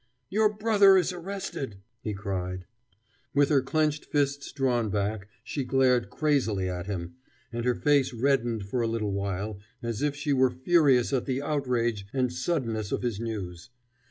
"Your brother is arrested!" he cried. With her clenched fists drawn back, she glared crazily at him, and her face reddened for a little while, as if she were furious at the outrage and suddenness of his news.